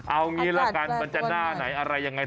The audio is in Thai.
เอางี้ละกันมันจะหน้าไหนอะไรยังไง